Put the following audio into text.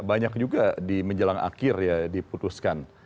banyak juga di menjelang akhir ya diputuskan